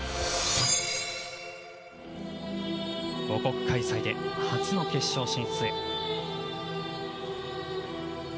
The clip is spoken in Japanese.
母国開催で初の決勝進出へ。